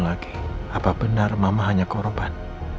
apa benar mama hanya korban